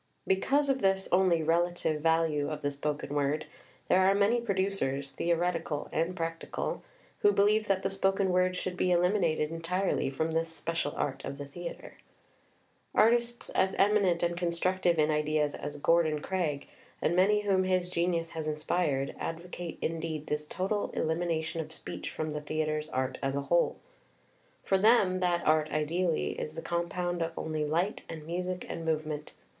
Because of this only relative value of the spoken word, there are many producers [theoretical and practical] who believe that the spoken word should be eliminated en tirely from this special art of the theatre. Artists as eminent and constructive in ideas as Gordon Craig, and many whom his genius has inspired, advocate indeed this total elimination of speech from the theatre's art as a whole. For them that art ideally is the com pound of only light and music and movement.